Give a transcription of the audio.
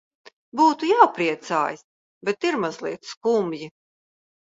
Būtu jāpriecājas, bet ir mazliet skumji.